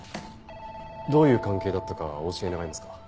どういう関係だったかお教え願えますか？